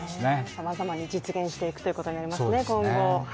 さまざまに実用していくということになりますね、今後。